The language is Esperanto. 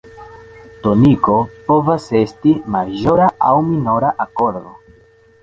Toniko povas esti maĵora aŭ minora akordo.